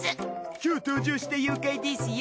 今日登場した妖怪ですよ。